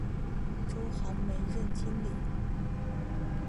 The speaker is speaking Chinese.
周寒梅任经理。